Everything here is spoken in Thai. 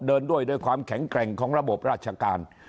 เดินด้วยด้วยความแข็งแกร่งของระบบราชการ